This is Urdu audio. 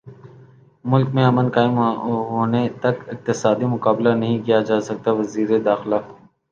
ملک میں امن قائم ہونےتک اقتصادی مقابلہ نہیں کیاجاسکتاوزیرداخلہ